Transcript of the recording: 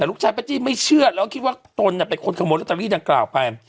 แต่ลูกชายป้าจี้ไม่เชื่อแล้วคิดว่าตนเป็นคนขโมยลอตเตอรี่ดังกล่าวไป